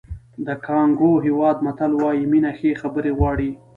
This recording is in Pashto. د کانګو هېواد متل وایي مینه ښې خبرې غواړي.